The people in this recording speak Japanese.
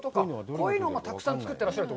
こういうのをたくさん作っていらっしゃると。